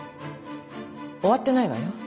終わってないわよ。